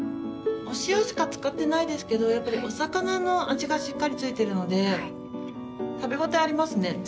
お塩しか使ってないですけどやっぱりお魚の味がしっかりついてるので食べ応えありますね。